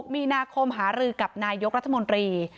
มีนาคมหารือกับนายกรัฐมนตรี